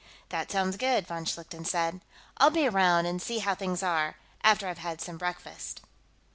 "That sounds good," von Schlichten said. "I'll be around and see how things are, after I've had some breakfast."